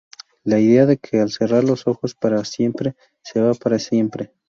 La idea de que al cerrar los ojos para siempre, se va para siempre.